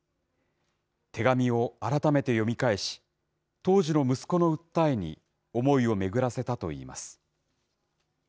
手紙を改めて読み返し、当時の息子の訴えに思いを巡らせたといいます。